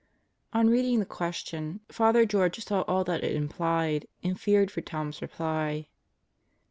On reading the question, Father George saw all that it im plied, and feared for Tom's reply.